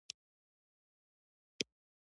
ډیموکراسي د جاسوسۍ په بازار کې عمومیت ته نه رسي.